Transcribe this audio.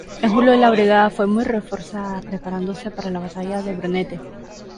En julio la brigada fue muy reforzada, preparándose para la Batalla de Brunete.